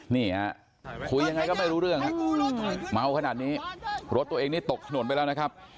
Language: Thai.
นี่ฮะคุยยังไงก็ไม่รู้เรื่องเมาขนาดนี้รถตัวเองนี่ตกถนนไปแล้วนะครับ